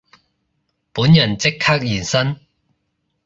本人即刻現身